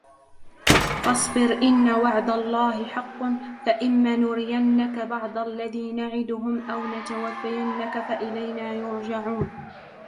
فَاصْبِرْ إِنَّ وَعْدَ اللَّهِ حَقٌّ فَإِمَّا نُرِيَنَّكَ بَعْضَ الَّذِي نَعِدُهُمْ أَوْ نَتَوَفَّيَنَّكَ فَإِلَيْنَا يُرْجَعُونَ